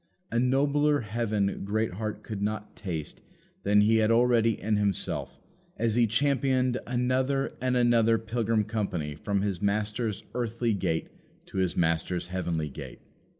A nobler heaven Greatheart could not taste than he had already in himself, as he championed another and another pilgrim company from his Master's earthly gate to his Master's heavenly gate.